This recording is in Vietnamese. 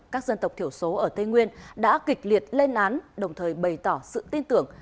các dân tộc thiểu số ở tây nguyên đã kịch liệt lên án đồng thời bày tỏ sự tin tưởng